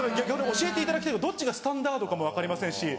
教えていただきたいどっちがスタンダードかも分かりませんし。